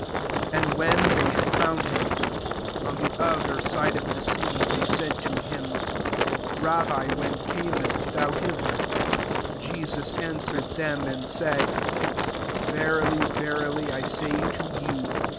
25 And when they had fovoii him, (m the other side of Che JOHN VI. sea, tb^ said to him, << Rabbi, when earnest thou hither ?" 26 Jesus answered them, and said, *< Verily, verily, I say to you.